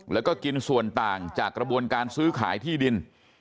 แล้วก็กินส่วนต่างจากกระบวนการซื้อขายที่ดิน